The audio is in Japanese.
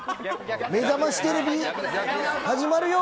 めざましテレビ始まるよ。